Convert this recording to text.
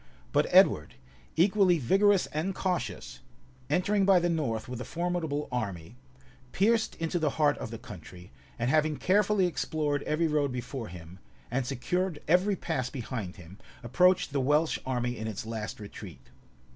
But Edward, equally vigorous and cautious, entering by the north with a formidable army, pierced into the heart of the country; and having carefully explored every road before him, and secured every pass behind him, approached the Welsh army in its last retreat.